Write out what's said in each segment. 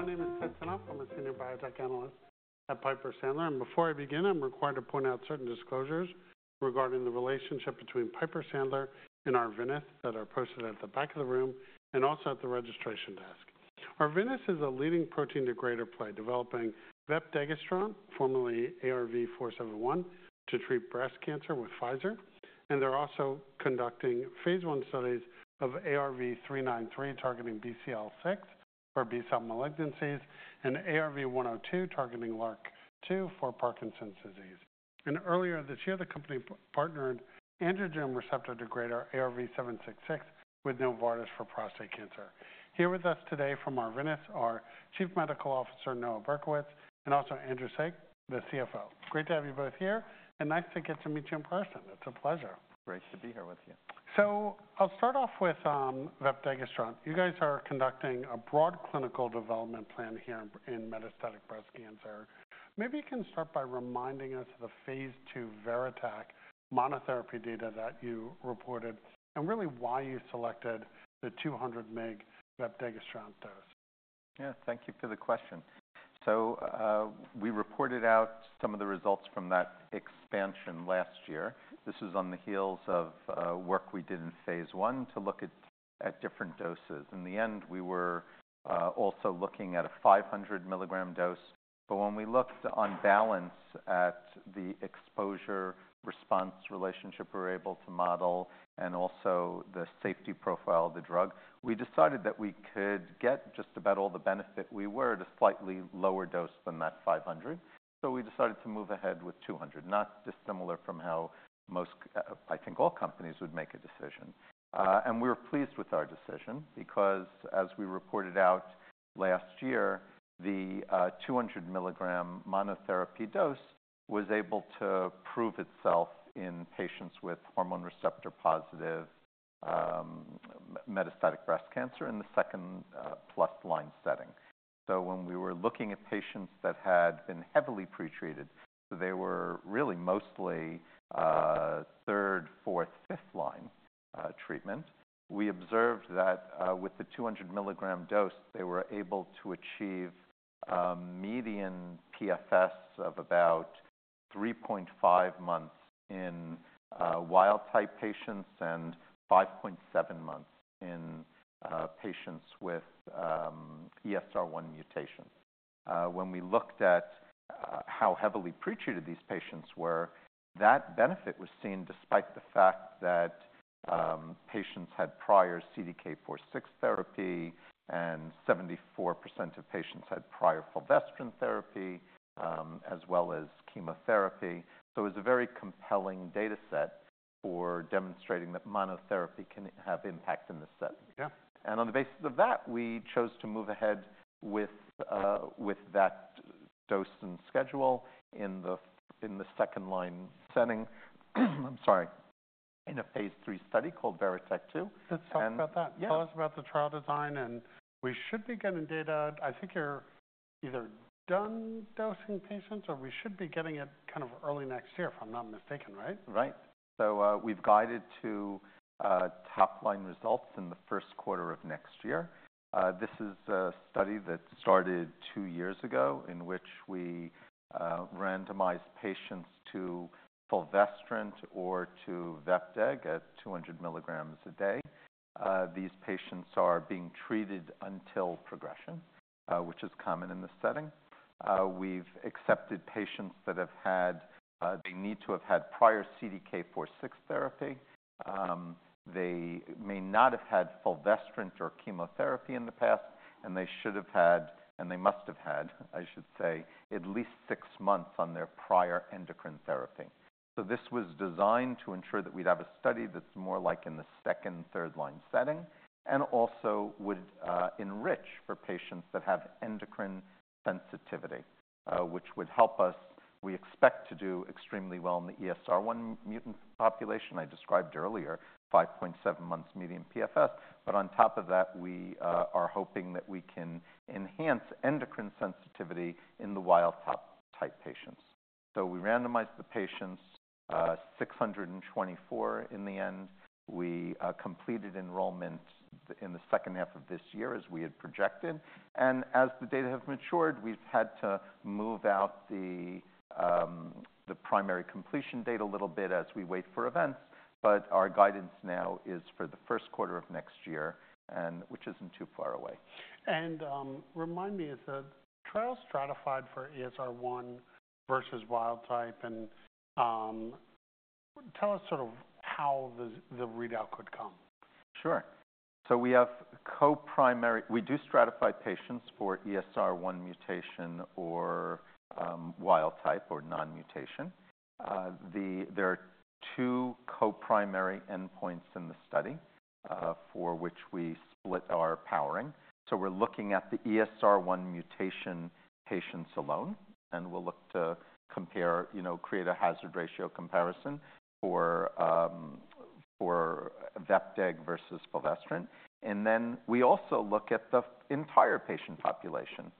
My name is Ted Tenthoff. I'm a senior biotech analyst at Piper Sandler. And before I begin, I'm required to point out certain disclosures regarding the relationship between Piper Sandler and Arvinas that are posted at the back of the room and also at the registration desk. Arvinas is a leading protein degrader play developing vepdegestrant, formerly ARV-471, to treat breast cancer with Pfizer. And they're also conducting phase one studies of ARV-393 targeting BCL6 for B-cell malignancies and ARV-102 targeting LRRK2 for Parkinson's disease. And earlier this year, the company partnered androgen receptor degrader ARV-766 with Novartis for prostate cancer. Here with us today from Arvinas are Chief Medical Officer Noah Berkowitz and also Andrew Saik, the CFO. Great to have you both here, and nice to get to meet you in person. It's a pleasure. Great to be here with you. So I'll start off with Vepdegestrant. You guys are conducting a broad clinical development plan here in metastatic breast cancer. Maybe you can start by reminding us of the phase 2 VERITAC monotherapy data that you reported and really why you selected the 200 mg Vepdegestrant dose? Yeah, thank you for the question. So we reported out some of the results from that expansion last year. This was on the heels of work we did in phase one to look at different doses. In the end, we were also looking at a 500 mg dose. But when we looked on balance at the exposure response relationship we were able to model and also the safety profile of the drug, we decided that we could get just about all the benefit we were at a slightly lower dose than that 500. So we decided to move ahead with 200, not dissimilar from how most, I think, all companies would make a decision. And we were pleased with our decision because as we reported out last year, the 200 mg monotherapy dose was able to prove itself in patients with hormone receptor positive metastatic breast cancer in the second plus line setting. So when we were looking at patients that had been heavily pretreated, so they were really mostly third, fourth, fifth line treatment, we observed that with the 200 mg dose, they were able to achieve median PFS of about 3.5 months in wild-type patients and 5.7 months in patients with ESR1 mutations. When we looked at how heavily pretreated these patients were, that benefit was seen despite the fact that patients had prior CDK4/6 therapy and 74% of patients had prior fulvestrant therapy as well as chemotherapy. So it was a very compelling data set for demonstrating that monotherapy can have impact in this setting. Yeah. On the basis of that, we chose to move ahead with that dose and schedule in the second line setting. I'm sorry, in a phase three study called VERITAC-2. That sounds about that. Yeah. Tell us about the trial design and we should be getting data out. I think you're either done dosing patients or we should be getting it kind of early next year if I'm not mistaken, right? Right. So we've guided to top line results in the first quarter of next year. This is a study that started two years ago in which we randomized patients to fulvestrant or to vepdegestrant at 200 mg a day. These patients are being treated until progression, which is common in this setting. We've accepted patients that have had, they need to have had prior CDK4/6 therapy. They may not have had fulvestrant or chemotherapy in the past, and they should have had, and they must have had, I should say, at least six months on their prior endocrine therapy. So this was designed to ensure that we'd have a study that's more like in the second, third line setting and also would enrich for patients that have endocrine sensitivity, which would help us. We expect to do extremely well in the ESR1 mutant population I described earlier, 5.7 months median PFS, but on top of that, we are hoping that we can enhance endocrine sensitivity in the wild-type patients, so we randomized the patients, 624 in the end. We completed enrollment in the second half of this year as we had projected, and as the data have matured, we've had to move out the primary completion date a little bit as we wait for events, but our guidance now is for the first quarter of next year, which isn't too far away. Remind me, is the trial stratified for ESR1 versus wild-type? Tell us sort of how the readout could come? Sure. We have co-primary. We do stratify patients for ESR1 mutation or wild-type or non-mutation. There are two co-primary endpoints in the study for which we split our powering. We're looking at the ESR1 mutation patients alone, and we'll look to compare, you know, create a hazard ratio comparison for vepdeg versus fulvestrant. Then we also look at the entire patient population.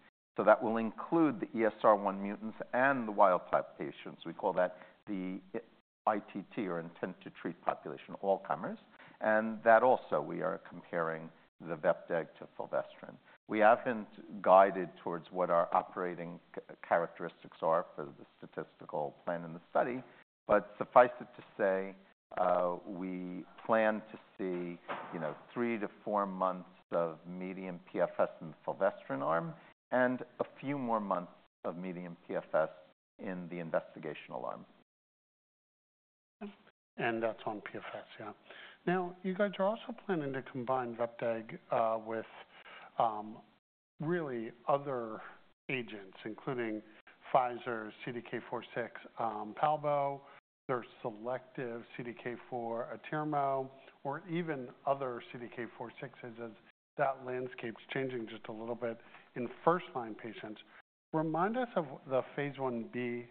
That will include the ESR1 mutants and the wild-type patients. We call that the ITT or intent to treat population, all-comers. That also we are comparing the vepdeg to fulvestrant. We haven't guided towards what our operating characteristics are for the statistical plan in the study, but suffice it to say we plan to see, you know, three to four months of median PFS in the fulvestrant arm and a few more months of median PFS in the investigational arm. And that's on PFS, yeah. Now, you guys are also planning to combine Vepdeg with really other agents, including Pfizer, CDK4/6, palbo, their selective CDK4, atirmociclib, or even other CDK4/6 as that landscape's changing just a little bit in first-line patients. Remind us of the phase 1b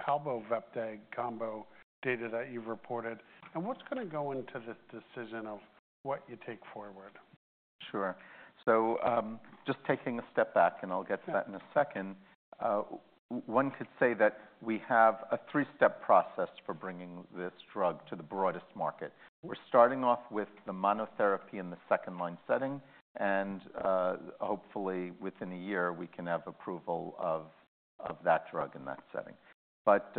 palbo-vepdeg combo data that you've reported. And what's going to go into this decision of what you take forward? Sure. So just taking a step back, and I'll get to that in a second, one could say that we have a three-step process for bringing this drug to the broadest market. We're starting off with the monotherapy in the second line setting. And hopefully within a year, we can have approval of that drug in that setting. But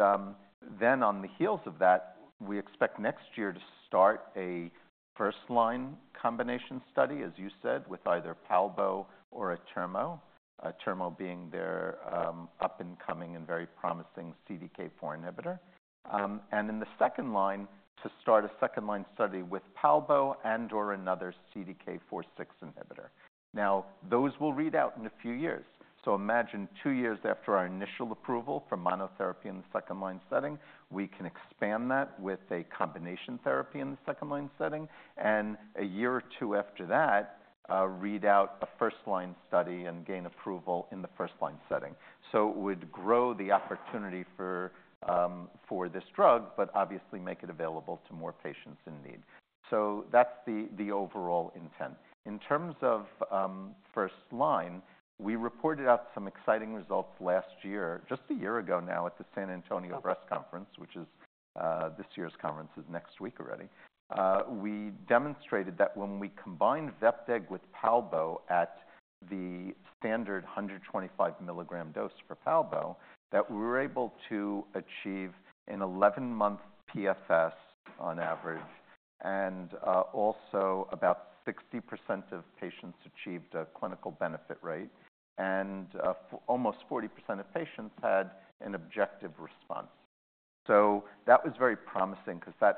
then on the heels of that, we expect next year to start a first line combination study, as you said, with either Palbo or atirmociclib, atirmociclib being their up-and-coming and very promising CDK4 inhibitor. And in the second line, to start a second line study with Palbo and/or another CDK4/6 inhibitor. Now, those will read out in a few years. So imagine two years after our initial approval for monotherapy in the second line setting, we can expand that with a combination therapy in the second line setting. A year or two after that, read out a first line study and gain approval in the first line setting. So it would grow the opportunity for this drug, but obviously make it available to more patients in need. So that's the overall intent. In terms of first line, we reported out some exciting results last year, just a year ago now at the San Antonio Breast Cancer Symposium, which is this year's conference is next week already. We demonstrated that when we combined Vepdeg with Palbo at the standard 125 mg dose for Palbo, that we were able to achieve an 11-month PFS on average. And also about 60% of patients achieved a clinical benefit rate. And almost 40% of patients had an objective response. So that was very promising because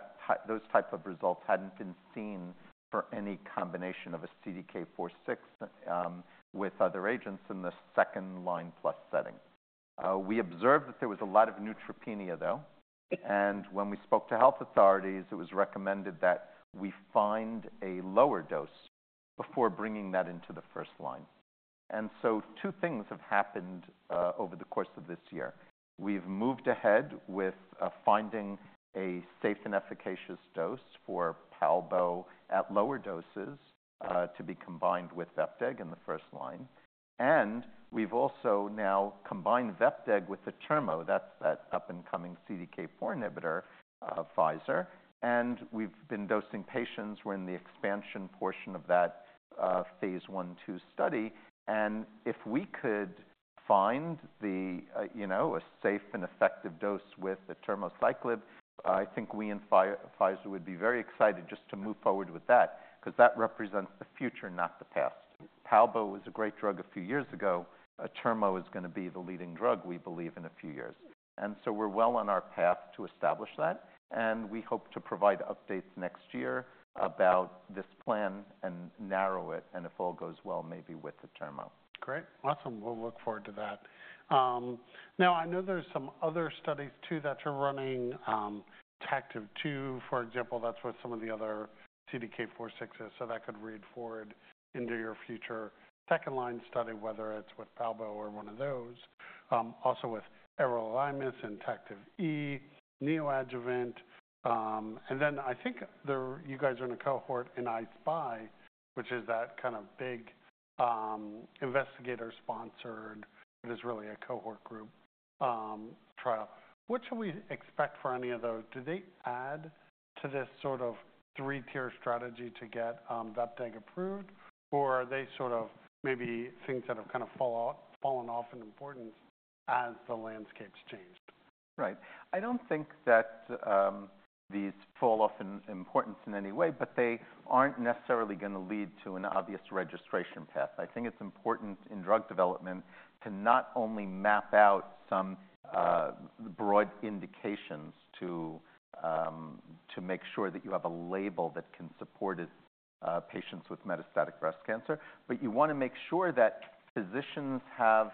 those types of results hadn't been seen for any combination of a CDK4/6 with other agents in the second line plus setting. We observed that there was a lot of neutropenia, though. And when we spoke to health authorities, it was recommended that we find a lower dose before bringing that into the first line. And so two things have happened over the course of this year. We've moved ahead with finding a safe and efficacious dose for Palbo at lower doses to be combined with Vepdeg in the first line. And we've also now combined Vepdeg with atirmociclib, that's that up-and-coming CDK4 inhibitor, Pfizer. And we've been dosing patients. We're in the expansion portion of that phase one two study. And if we could find you know a safe and effective dose with atirmociclib, I think we and Pfizer would be very excited just to move forward with that because that represents the future, not the past. Palbociclib was a great drug a few years ago. Atirmociclib is going to be the leading drug, we believe, in a few years. And so we're well on our path to establish that. And we hope to provide updates next year about this plan and narrow it. And if all goes well, maybe with atirmociclib. Great. Awesome. We'll look forward to that. Now, I know there's some other studies too that are running TACTIVE-U, for example. That's what some of the other CDK4/6 is. So that could read forward into your future second line study, whether it's with palbociclib or one of those. Also with everolimus and TACTIVE-E, neoadjuvant. And then I think you guys are in a cohort in I-SPY, which is that kind of big investigator-sponsored, but it's really a cohort group trial. What should we expect for any of those? Do they add to this sort of three-tier strategy to get vepdegestrant approved? Or are they sort of maybe things that have kind of fallen off in importance as the landscape's changed? Right. I don't think that these fall off in importance in any way, but they aren't necessarily going to lead to an obvious registration path. I think it's important in drug development to not only map out some broad indications to make sure that you have a label that can support patients with metastatic breast cancer, but you want to make sure that physicians have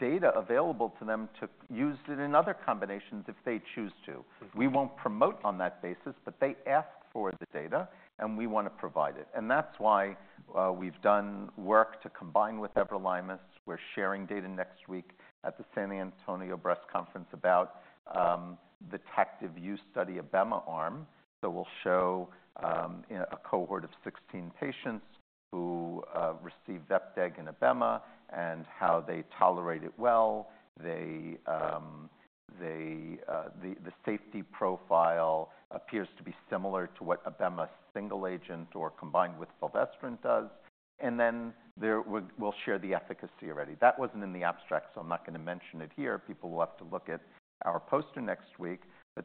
data available to them to use it in other combinations if they choose to. We won't promote on that basis, but they ask for the data, and we want to provide it. And that's why we've done work to combine with everolimus. We're sharing data next week at the San Antonio Breast Cancer Symposium about the TACTIVE-U study abema arm. So we'll show a cohort of 16 patients who receive Vepdeg and Abema and how they tolerate it well. The safety profile appears to be similar to what Abema single agent or combined with fulvestrant does. Then we'll share the efficacy already. That wasn't in the abstract, so I'm not going to mention it here. People will have to look at our poster next week.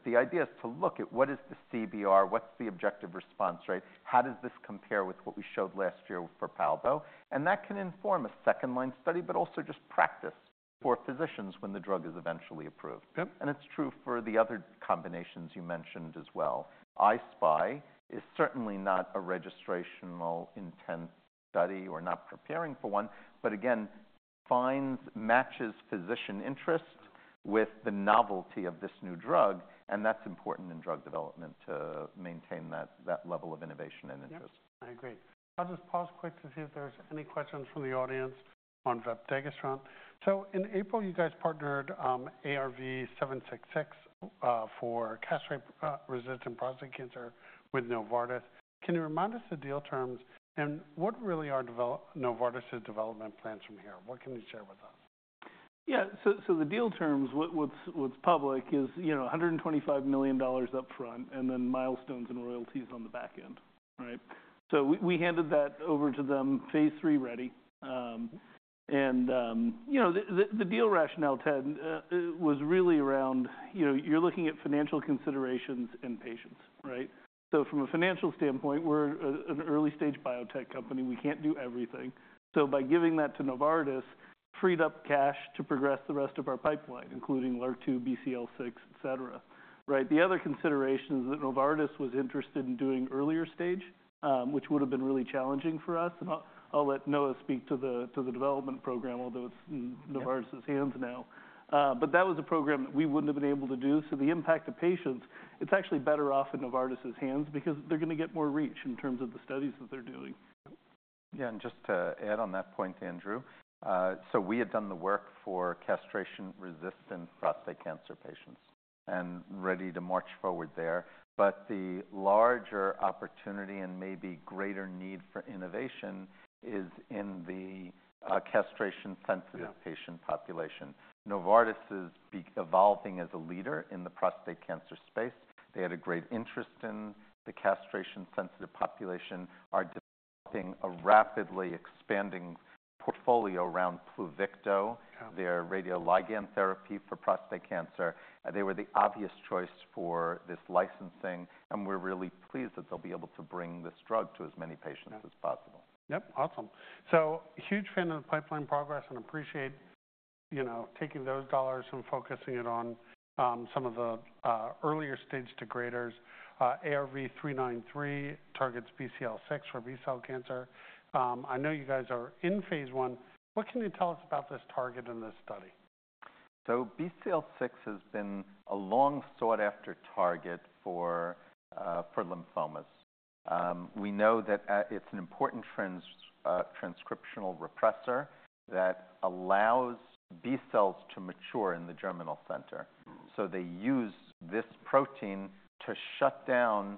The idea is to look at what is the CBR, what's the objective response rate, how does this compare with what we showed last year for Palbo. That can inform a second line study, but also just practice for physicians when the drug is eventually approved. It's true for the other combinations you mentioned as well. I-SPY is certainly not a registrational intent study or not preparing for one, but again, finds matches physician interest with the novelty of this new drug. That's important in drug development to maintain that level of innovation and interest. Yeah, I agree. I'll just pause quick to see if there's any questions from the audience on vepdegestrant. So in April, you guys partnered ARV-766 for castrate-resistant prostate cancer with Novartis. Can you remind us the deal terms and what really are Novartis' development plans from here? What can you share with us? Yeah. So the deal terms, what's public is, you know, $125 million upfront and then milestones and royalties on the back end, right? So we handed that over to them, phase 3 ready. And, you know, the deal rationale, Ted, was really around, you know, you're looking at financial considerations in partnering, right? So from a financial standpoint, we're an early stage biotech company. We can't do everything. So by giving that to Novartis, freed up cash to progress the rest of our pipeline, including LRRK2, BCL6, et cetera, right? The other consideration is that Novartis was interested in doing earlier stage, which would have been really challenging for us. And I'll let Noah speak to the development program, although it's in Novartis' hands now. But that was a program that we wouldn't have been able to do. So the impact to patients, it's actually better off in Novartis' hands because they're going to get more reach in terms of the studies that they're doing. Yeah. And just to add on that point, Andrew, so we had done the work for castration-resistant prostate cancer patients and ready to march forward there. But the larger opportunity and maybe greater need for innovation is in the castration-sensitive patient population. Novartis is evolving as a leader in the prostate cancer space. They had a great interest in the castration-sensitive population, are developing a rapidly expanding portfolio around Pluvicto, their radioligand therapy for prostate cancer. They were the obvious choice for this licensing. And we're really pleased that they'll be able to bring this drug to as many patients as possible. Yep. Awesome. So huge fan of the pipeline progress and appreciate, you know, taking those dollars and focusing it on some of the earlier stage degraders. ARV-393 targets BCL6 for B-cell cancer. I know you guys are in phase one. What can you tell us about this target in this study? BCL6 has been a long sought-after target for lymphomas. We know that it's an important transcriptional repressor that allows B-cells to mature in the germinal center. So they use this protein to shut down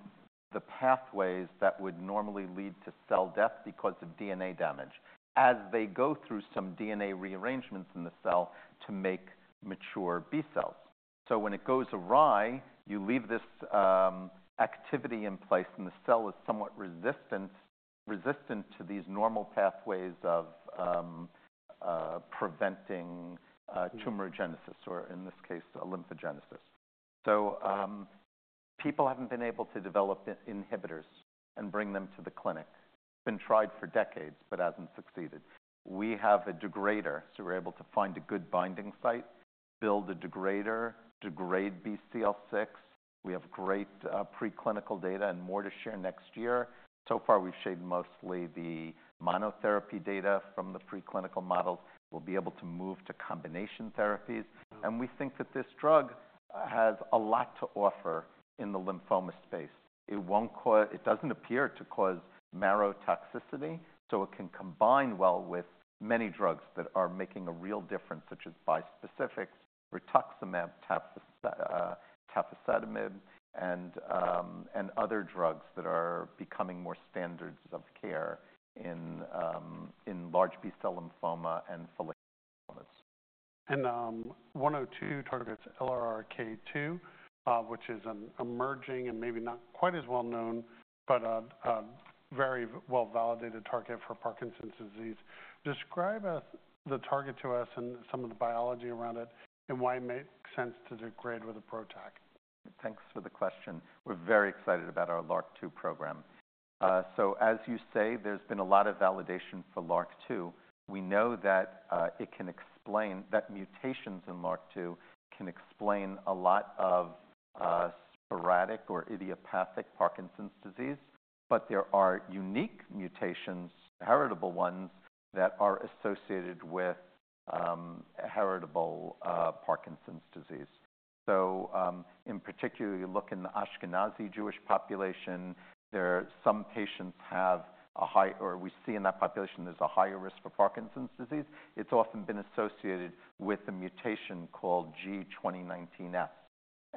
the pathways that would normally lead to cell death because of DNA damage as they go through some DNA rearrangements in the cell to make mature B-cells. So when it goes awry, you leave this activity in place and the cell is somewhat resistant to these normal pathways of preventing tumorigenesis or in this case, lymphomagenesis. So people haven't been able to develop inhibitors and bring them to the clinic. It's been tried for decades, but hasn't succeeded. We have a degrader. So we're able to find a good binding site, build a degrader, degrade BCL6. We have great preclinical data and more to share next year. So far, we've shared mostly the monotherapy data from the preclinical models. We'll be able to move to combination therapies. And we think that this drug has a lot to offer in the lymphoma space. It doesn't appear to cause marrow toxicity. So it can combine well with many drugs that are making a real difference, such as bispecifics, rituximab, tafasitamab, and other drugs that are becoming more standards of care in large B-cell lymphoma and follicular lymphoma. ARV-102 targets LRRK2, which is an emerging and maybe not quite as well known, but a very well validated target for Parkinson's disease. Describe the target to us and some of the biology around it and why it makes sense to degrade with a PROTAC. Thanks for the question. We're very excited about our LRRK2 program. So as you say, there's been a lot of validation for LRRK2. We know that it can explain that mutations in LRRK2 can explain a lot of sporadic or idiopathic Parkinson's disease. But there are unique mutations, heritable ones that are associated with heritable Parkinson's disease. So in particular, you look in the Ashkenazi Jewish population, we see in that population, there's a higher risk for Parkinson's disease. It's often been associated with a mutation called G2019F.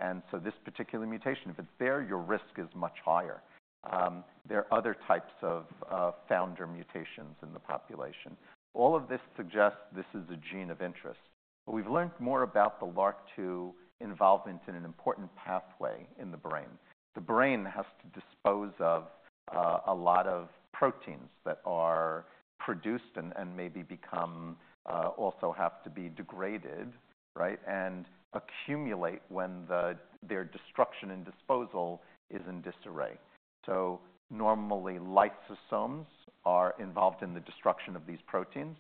And so this particular mutation, if it's there, your risk is much higher. There are other types of founder mutations in the population. All of this suggests this is a gene of interest. But we've learned more about the LRRK2 involvement in an important pathway in the brain. The brain has to dispose of a lot of proteins that are produced and maybe become, also have to be degraded, right, and accumulate when their destruction and disposal is in disarray, so normally lysosomes are involved in the destruction of these proteins,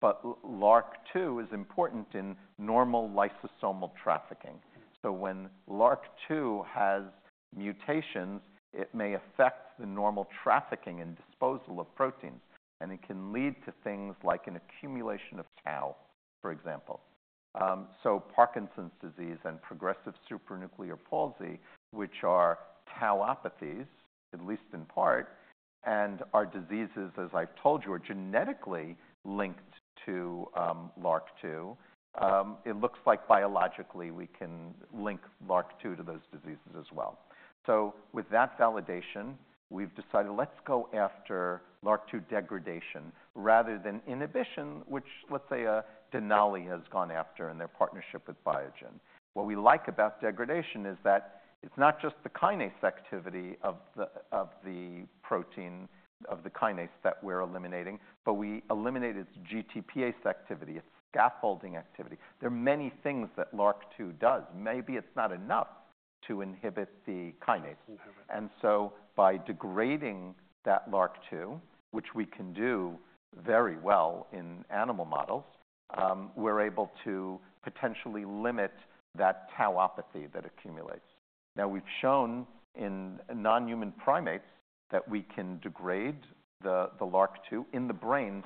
but LRRK2 is important in normal lysosomal trafficking, so when LRRK2 has mutations, it may affect the normal trafficking and disposal of proteins, and it can lead to things like an accumulation of tau, for example, so Parkinson's disease and progressive supranuclear palsy, which are tauopathies, at least in part, and are diseases, as I've told you, are genetically linked to LRRK2. It looks like biologically we can link LRRK2 to those diseases as well, so with that validation, we've decided let's go after LRRK2 degradation rather than inhibition, which let's say Denali has gone after in their partnership with Biogen. What we like about degradation is that it's not just the kinase activity of the protein, of the kinase that we're eliminating, but we eliminate its GTPase activity, its scaffolding activity. There are many things that LRRK2 does. Maybe it's not enough to inhibit the kinase. And so by degrading that LRRK2, which we can do very well in animal models, we're able to potentially limit that tauopathy that accumulates. Now, we've shown in non-human primates that we can degrade the LRRK2 in the brain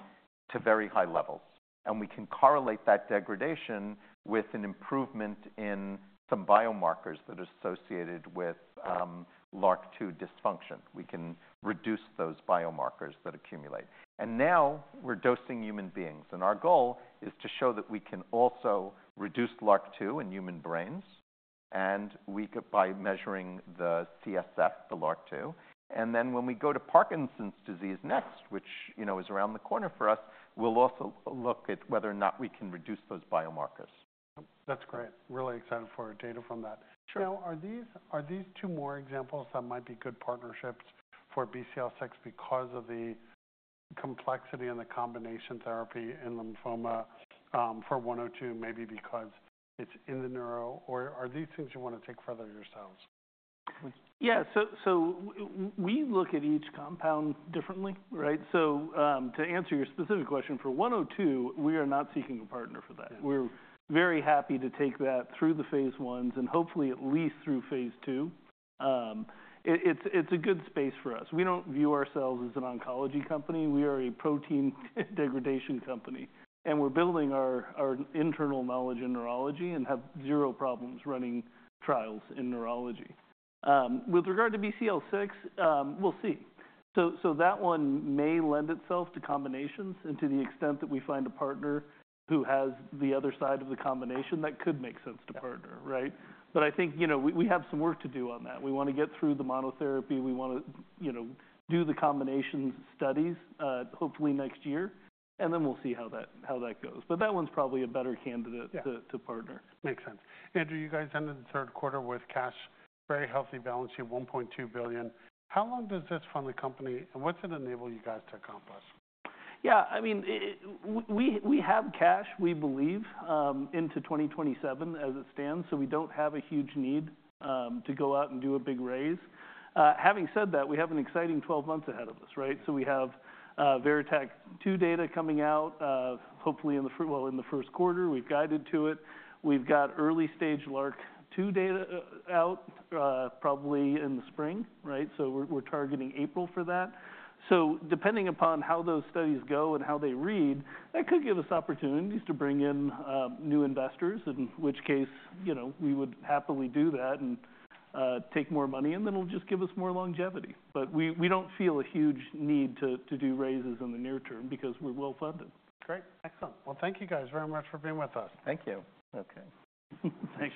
to very high levels. And we can correlate that degradation with an improvement in some biomarkers that are associated with LRRK2 dysfunction. We can reduce those biomarkers that accumulate. And now we're dosing human beings. And our goal is to show that we can also reduce LRRK2 in human brains by measuring the CSF, the LRRK2. And then when we go to Parkinson's disease next, which, you know, is around the corner for us, we'll also look at whether or not we can reduce those biomarkers. That's great. Really excited for our data from that. Now, are these two more examples that might be good partnerships for BCL6 because of the complexity and the combination therapy in lymphoma for 102, maybe because it's in the neuro? Or are these things you want to take further yourselves? Yeah. So we look at each compound differently, right? So to answer your specific question, for 102, we are not seeking a partner for that. We're very happy to take that through the phase 1s and hopefully at least through phase 2. It's a good space for us. We don't view ourselves as an oncology company. We are a protein degradation company. And we're building our internal knowledge in neurology and have zero problems running trials in neurology. With regard to BCL6, we'll see. So that one may lend itself to combinations and to the extent that we find a partner who has the other side of the combination, that could make sense to partner, right? But I think, you know, we have some work to do on that. We want to get through the monotherapy. We want to, you know, do the combination studies hopefully next year. And then we'll see how that goes. But that one's probably a better candidate to partner. Makes sense. Andrew, you guys ended the third quarter with cash, very healthy balance sheet, $1.2 billion. How long does this fund the company? And what's it enable you guys to accomplish? Yeah. I mean, we have cash, we believe, into 2027 as it stands. So we don't have a huge need to go out and do a big raise. Having said that, we have an exciting 12 months ahead of us, right? So we have VERITAC-2 data coming out hopefully in the first quarter. We've guided to it. We've got early stage LRRK2 data out probably in the spring, right? So we're targeting April for that. So depending upon how those studies go and how they read, that could give us opportunities to bring in new investors, in which case, you know, we would happily do that and take more money. And then it'll just give us more longevity. But we don't feel a huge need to do raises in the near term because we're well funded. Great. Excellent. Well, thank you guys very much for being with us. Thank you. Okay. Thanks.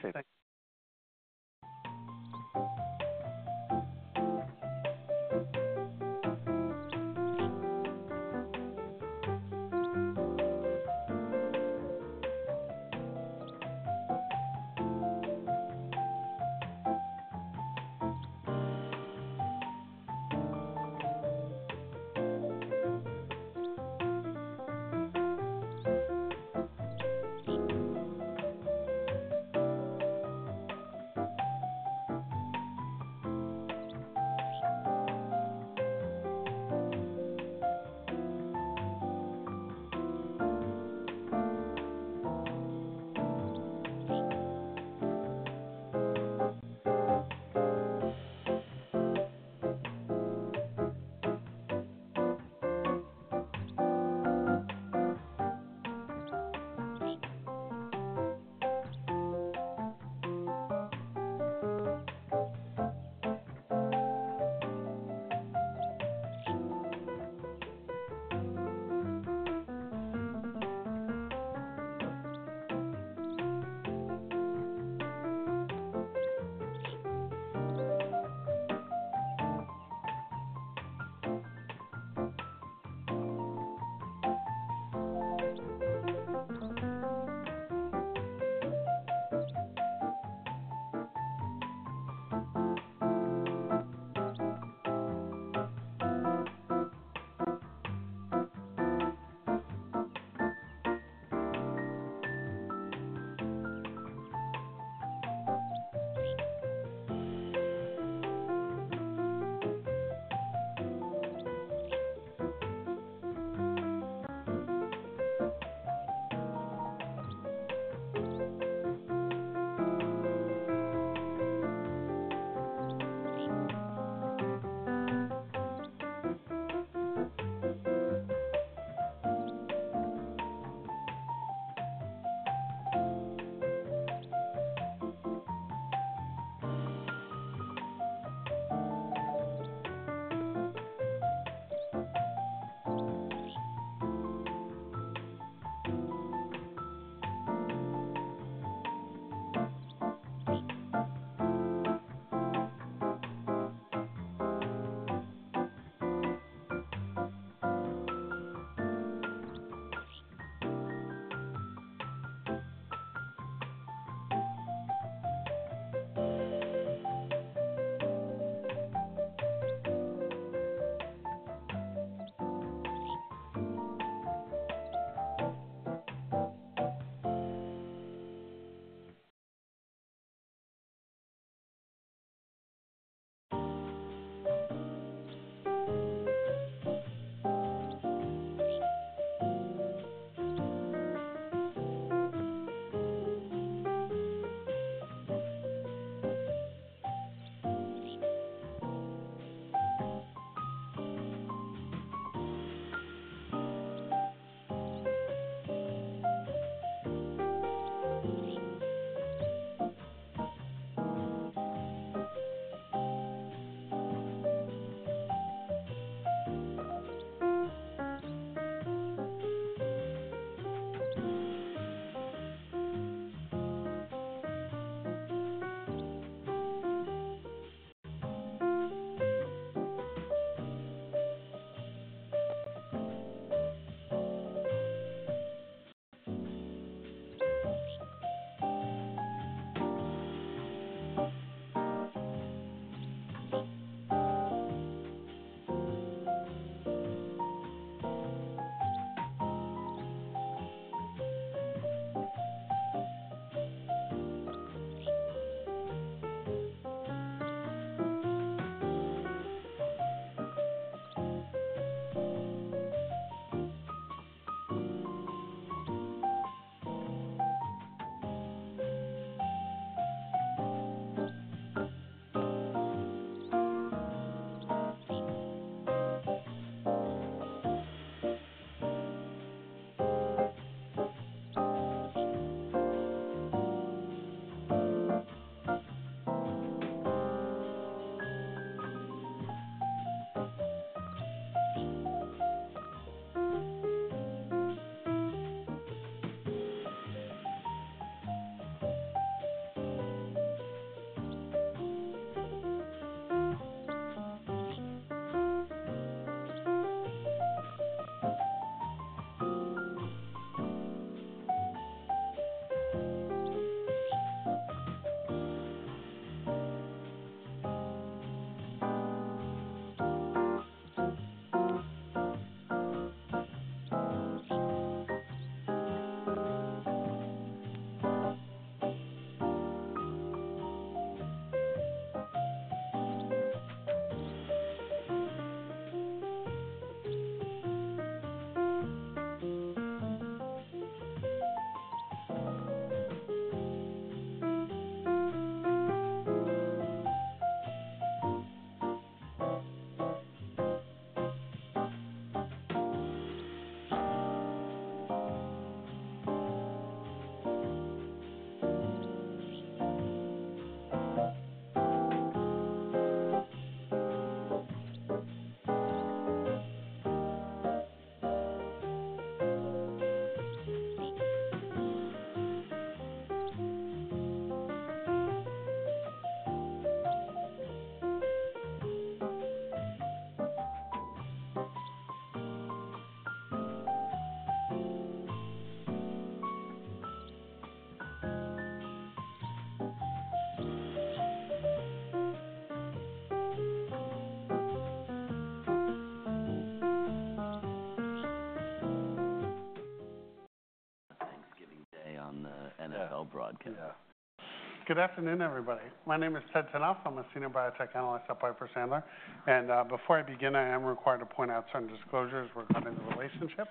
Appreciate it. Thanksgiving Day on the NFL broadcast. Yeah. Good afternoon, everybody. My name is Ted Tenthoff. I'm a senior biotech analyst at Piper Sandler. And before I begin, I am required to point out some disclosures regarding the relationship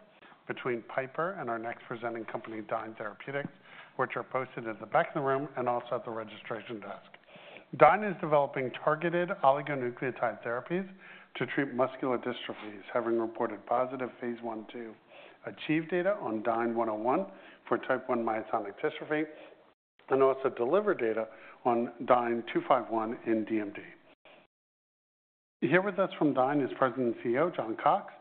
between Piper and our next presenting company, Dyne Therapeutics, which are posted at the back of the room and also at the registration desk. Dyne is developing targeted oligonucleotide therapies to treat muscular dystrophies, having reported positive phase 1/2 data on DYNE-101 for type 1 myotonic dystrophy, and also delivered data on DYNE-251 in DMD. Here with us from Dyne is President and CEO John Cox,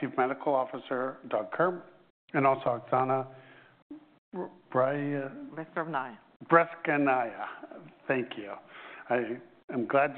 Chief Medical Officer Doug Kerr, and also Oxana Beskrovnaya. Thank you. I am glad.